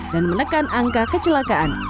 dan menekan angka kecelakaan